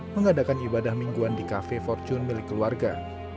mengadakan ibadah mingguan di kafe fortune milik keluarga